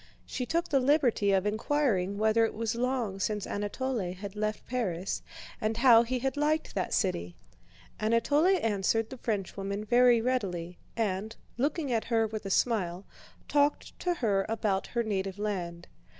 She took the liberty of inquiring whether it was long since Anatole had left Paris and how he had liked that city. Anatole answered the Frenchwoman very readily and, looking at her with a smile, talked to her about her native land.